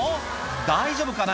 大丈夫かな？